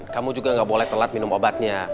kamu juga nggak boleh telat minum obatnya